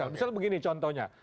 misal begini contohnya